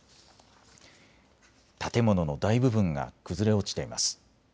建物の大部分が崩れ落ちています。